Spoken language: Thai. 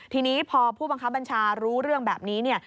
ทีนี้พอผู้บังคับบัญชารู้เรื่องแบบนี้เนี่ย